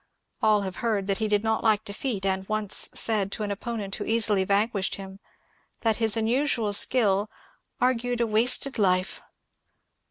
All have heard that he did not like defeat, and once said to an opponent who easily vanquished him that his unusual skill ^^ argued a wasted life."